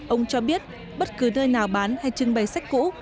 ông cho biết bất cứ nơi nào bán hay trưng bày sách cũ